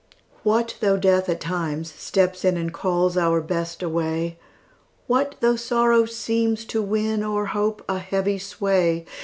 What though Death at times steps in, And calls our Best away? What though sorrow seems to win, O'er hope, a heavy sway?